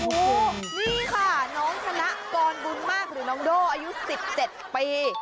โอ้โหนี่ค่ะน้องธนกรบุญมากหรือน้องโด่อายุ๑๗ปี